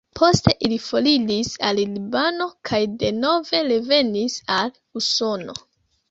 Poste ili foriris al Libano kaj denove revenis al Usono.